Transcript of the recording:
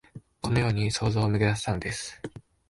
このように想像をめぐらしたのです